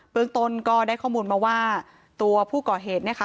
เมืองต้นก็ได้ข้อมูลมาว่าตัวผู้ก่อเหตุนะคะ